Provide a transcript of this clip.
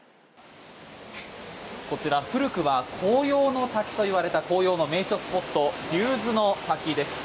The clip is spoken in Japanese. こちら、古くは紅葉の滝と言われた紅葉の名所スポット竜頭の滝です。